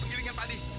penggilingan pak adi